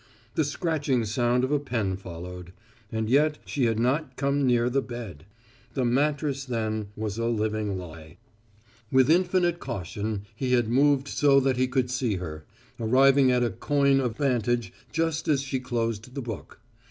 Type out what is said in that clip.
The scratching sound of a pen followed. And yet she had not come near the bed. The mattress, then, was a living lie. With infinite caution he had moved so that he could see her, arriving at a coign of vantage just as she closed the book.